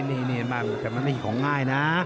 เห็นบ้างแต่มันไม่ใช่ของง่ายนะ